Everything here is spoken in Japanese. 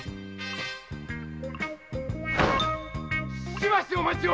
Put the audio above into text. しばしお待ちを！